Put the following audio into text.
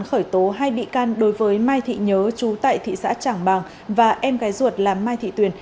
khởi tố hai bị can đối với mai thị nhớ chú tại thị xã trảng bàng và em gái ruột là mai thị tuyền